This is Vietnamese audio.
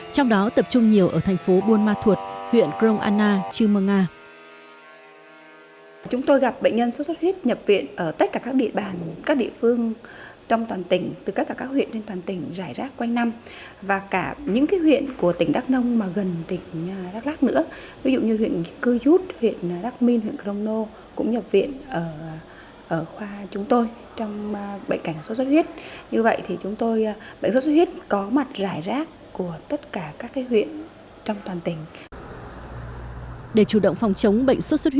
trong đó tập trung nhiều ở thành phố buôn ma thuột huyện krong anna chư mơ nga